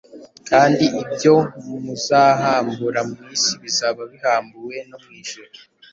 kandi ibyo muzahambura mu isi bizaba bihambuwe no mu ijuru.”